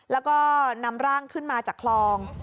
แล้วก็นำร่างขึ้นมาจากคลอง